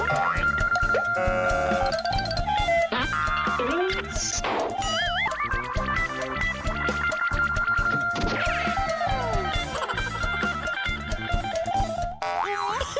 เฮ่